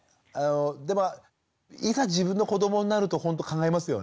でもいざ自分の子どもになるとほんと考えますよね。